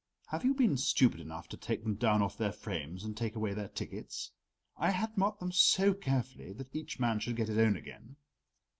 Have you been stupid enough to take them down off their frames, and take away their tickets? I had marked them so carefully, that each man should get his own again."